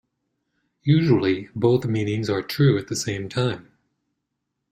Usually both meanings are true at the same time.